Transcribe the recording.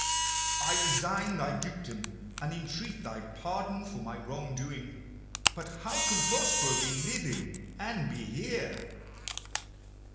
I resign thy dukedom, and entreat thy pardon for my wrong doing. But how can Prospero be living and be here?"